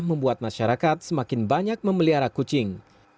membuat masyarakat semakin banyak memelihara kucing